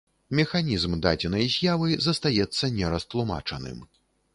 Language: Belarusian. Механізм дадзенай з'явы застаецца не растлумачаным.